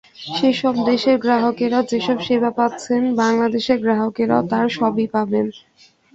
সেসব দেশের গ্রাহকেরা যেসব সেবা পাচ্ছেন, বাংলাদেশের গ্রাহকেরাও তার সবই পাবেন।